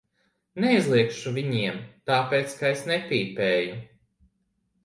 Neaizliegšu viņiem, tāpēc ka es nepīpēju.